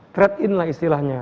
trade in lah istilahnya